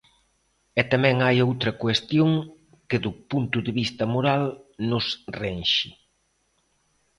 E tamén hai outra cuestión que do punto de vista moral nos renxe.